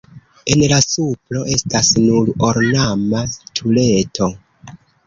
En la supro estas nur ornama tureto.